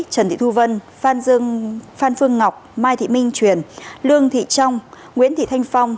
trần thị thu vân phan phương ngọc mai thị minh truyền lương thị trong nguyễn thị thanh phong